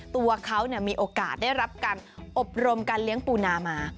ตัวเขามีโอกาสได้รับการอบรมการเลี้ยงปูนามา